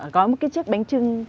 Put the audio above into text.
gói một chiếc bánh trưng